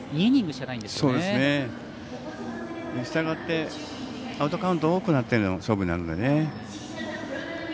したがってアウトカウントが多くなっての勝負になるのでね。